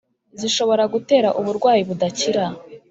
zishobora gutera uburwayi budakira